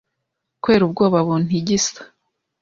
Kubera ubwoba buntigisa